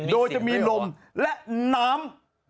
โดยจะมีนมและน้ำ